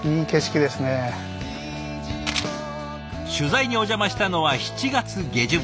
取材にお邪魔したのは７月下旬。